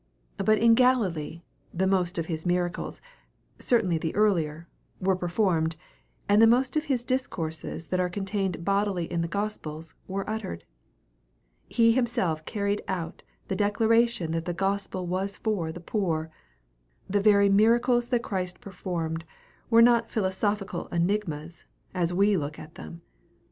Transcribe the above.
But in Galilee the most of his miracles, certainly the earlier, were performed, and the most of his discourses that are contained bodily in the gospels were uttered. He himself carried out the declaration that the gospel was for the poor. The very miracles that Christ performed were not philosophical enigmas, as we look at them.